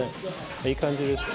いい感じです。